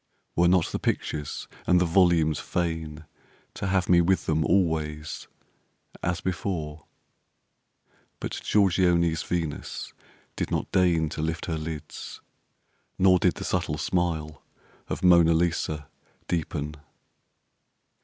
Were not the pictures and the volumes fain To have me with them always as before? But Giorgione's Venus did not deign To lift her lids, nor did the subtle smile Of Mona Lisa deepen.